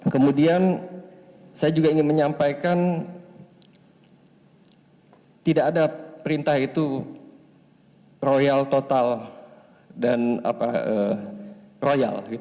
kemudian saya juga ingin menyampaikan tidak ada perintah itu royal total dan royal